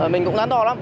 mình cũng ngắn đo lắm